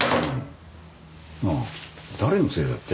なあ誰のせいだって？